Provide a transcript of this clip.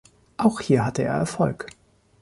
Auch hier hatte er Erfolg.